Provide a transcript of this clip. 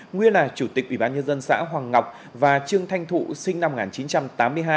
nguyên là chủ tịch ủy ban nhân dân xã hoàng ngọc và trương thanh thụ sinh năm một nghìn chín trăm tám mươi hai